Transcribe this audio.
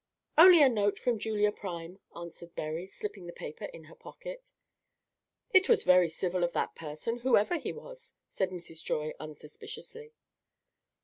"Only a note from Julia Prime," answered Berry, slipping the paper in her pocket. "It was very civil of that person, whoever he was," said Mrs. Joy, unsuspiciously.